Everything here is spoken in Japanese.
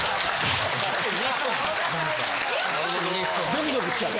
ドキドキしちゃって？